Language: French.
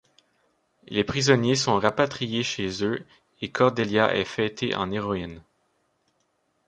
Les prisonniers sont rapatriés chez eux et Cordelia est fêtée en héroïne.